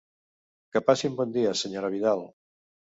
Que passi un bon dia, Sra. Vidal!